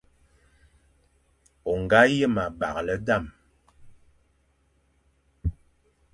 O nga yen abaghle dam ;